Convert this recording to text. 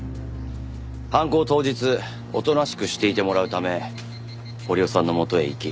犯行当日おとなしくしていてもらうため堀尾さんの元へ行き。